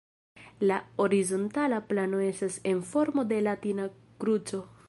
La horizontala plano estas en formo de latina kruco.